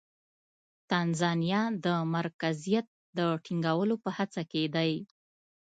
تانزانیا د مرکزیت د ټینګولو په هڅه کې دی.